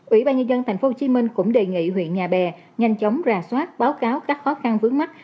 ủy ban nhân dân tp hcm cũng đề nghị huyện nhà bè nhanh chóng ra soát báo cáo các khó khăn vướng mắt